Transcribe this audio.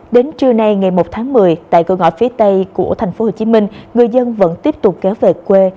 đến trưa nay ngày một tháng một mươi tại cửa ngõ phía tây của tp hcm người dân vẫn tiếp tục kéo về quê